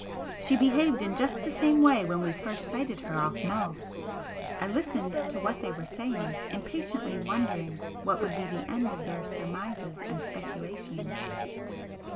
She behaved in just the same way when we first sighted her off Mull." I listened to what they were saying, impatiently wondering what would be the end of their surmises and speculations.